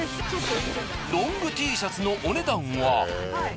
ロングＴシャツのお値段は。